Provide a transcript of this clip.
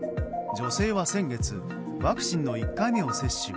女性は先月ワクチンの１回目を接種。